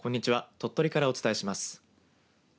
鳥取からお伝えします。